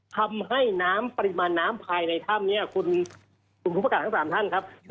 ทำให้ปริมาณน้ำภายในถ้ำนี้คุณอุปกรณ์ทั้ง๓ท่านครับ